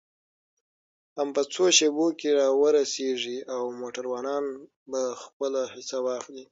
هم په څو شیبو کې را ورسېږي او موټروانان به خپله حصه واخلي.